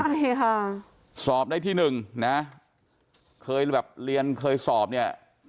ใช่ค่ะสอบได้ที่หนึ่งนะเคยแบบเรียนเคยสอบเนี่ย